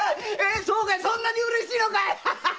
そうかいそんなに嬉しいのかい‼